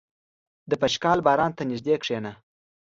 • د پشکال باران ته نږدې کښېنه.